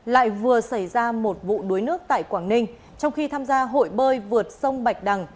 lại vừa xảy ra một vụ đuối nước tại quảng ninh trong khi tham gia hội bơi vượt sông bạch đằng